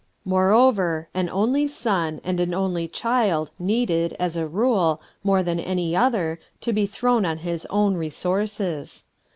Moreover, an only son and an only child needed, as a rule, more than any other to be thrown on his own resources.